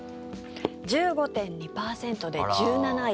１５．２％で１７位。